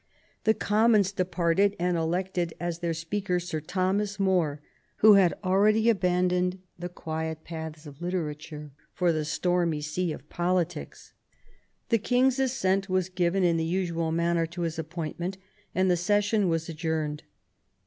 The Commons departed, and elected as their Speaker Sir Thomas More, who had already abandoned the quiet paths of literature for the stormy sea of politics. The king's assent was given in the usual manner to his appointment, and the session was ad journed.